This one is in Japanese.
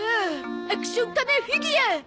アクション仮面フィギュア！